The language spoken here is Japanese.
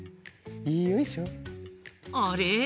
あれ？